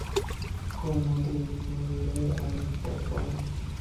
কুমুদিনী বললে, আমি পরব না।